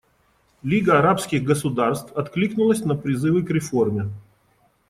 Лига арабских государств откликнулась на призывы к реформе.